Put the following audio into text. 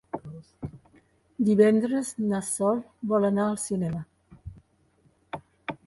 Divendres na Sol vol anar al cinema.